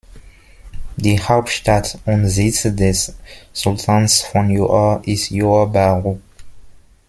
Die Hauptstadt und Sitz des Sultans von Johor ist Johor Bahru.